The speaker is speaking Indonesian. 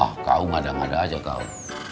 ah kau ngadang ngadang aja kau